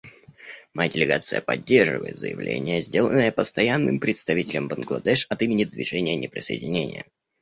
Моя делегация поддерживает заявление, сделанное Постоянным представителем Бангладеш от имени Движения неприсоединения.